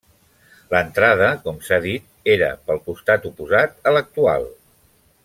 L'entrada com s'ha dit, era pel costat oposat a l'actual.